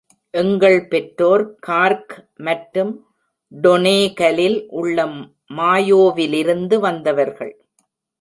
எங்கள் பெற்றோர், கார்க் மற்றும் டொனேகலில் உள்ள மாயோவிலிருந்து வந்தவர்கள்.